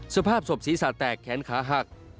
สภาพศพศีรษะแตกแขนขาหัก